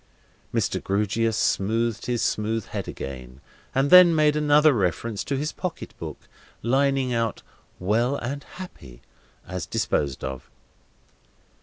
Mr. Grewgious smoothed his smooth head again, and then made another reference to his pocket book; lining out "well and happy," as disposed of.